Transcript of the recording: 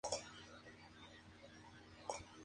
Fue presidente de Welcome durante unos cuantos años.